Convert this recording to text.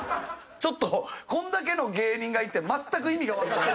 ちょっとこんだけの芸人がいて全く意味がわかってない。